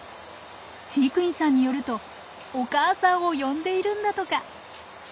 飼育員さんによるとお母さんを呼んでいるんだとか。